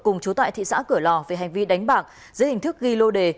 cùng chú tại thị xã cửa lò về hành vi đánh bạc dưới hình thức ghi lô đề